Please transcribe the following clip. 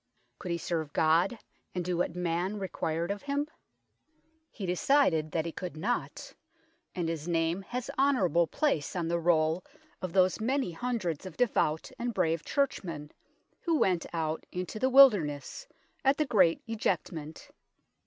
Could he serve God and do what man required of him ? He decided that he could not, and his name has honourable place on the roll of those many hundreds of devout and brave Churchmen who went out into the wilderness at the Great Ejectment.